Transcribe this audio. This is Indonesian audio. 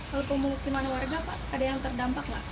kalau pemukiman warga ada yang terdampak